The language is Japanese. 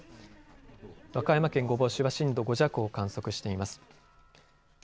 和歌山県御坊市は震度５弱を観測しています。